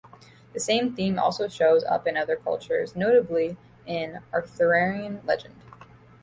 The same theme also shows up in other cultures, notably in the Arthurian legend.